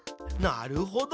なるほど。